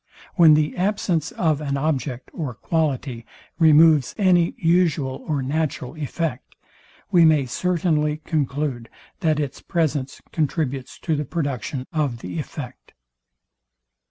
When the absence of an object or quality removes any usual or natural effect, we may certainly conclude that its presence contributes to the production of the effect.